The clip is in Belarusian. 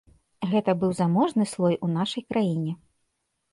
Гэта быў заможны слой у нашай краіне.